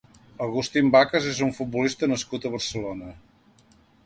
Agustín Vacas és un futbolista nascut a Barcelona.